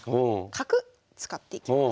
角使っていきます。